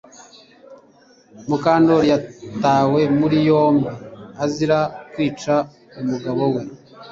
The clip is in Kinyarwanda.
Mukandoli yatawe muri yombi azira kwica umugabo we